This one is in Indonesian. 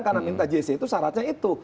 karena minta jce itu syaratnya itu